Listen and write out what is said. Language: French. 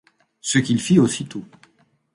Ce qu’il fit aussitôt.